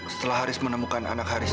setelah haris menemukan anak haris